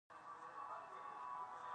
د فردوسي د انتقام لمبه نه قانع کیږي.